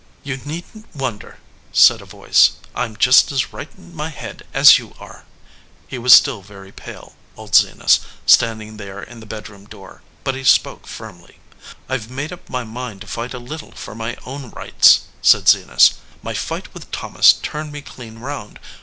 "You needn t wonder," said a voice. "I m just as right in my head as you are." He was still very pale, old Zenas, standing there in the bedroom 229 EDGEWATER PEOPLE door, but he spoke firmly. "I ve made up my mind to fight a little for my own rights," said Zenas. "My fight with Thomas turned me clean round.